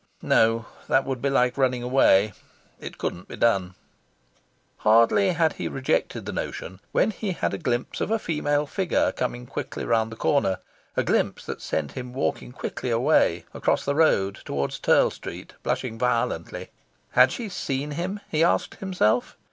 No, that would be like running away. It couldn't be done. Hardly had he rejected the notion when he had a glimpse of a female figure coming quickly round the corner a glimpse that sent him walking quickly away, across the road, towards Turl Street, blushing violently. Had she seen him? he asked himself.